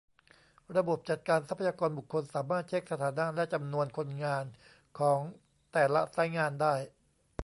ระบบจัดการทรัพยากรบุคคล สามารถเช็คสถานะและจำนวนคนงานของแต่ละไซต์งานได้